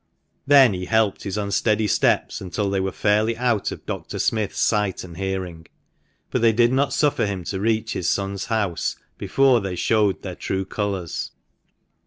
Then he helped his unsteady steps until they were fairly out of Dr. Smith's sight and hearing ; but they did not suffer him to reach his son's house before they showed their true colours.